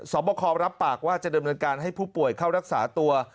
บคอรับปากว่าจะดำเนินการให้ผู้ป่วยเข้ารักษาตัว